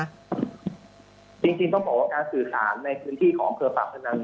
จริงต้องบอกว่าการสื่อสารในพื้นที่ของอำเภอปากพนัง